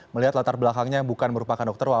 melihat latar belakangnya yang bukan merupakan dokter